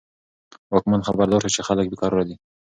واکمن خبردار شو چې خلک بې قرار دي.